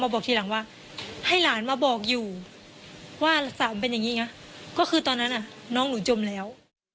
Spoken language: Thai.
บอกทีหลังว่าให้หลานมาบอกอยู่ว่าสาวมันเป็นอย่างนี้ไงก็คือตอนนั้นน้องหนูจมแล้ว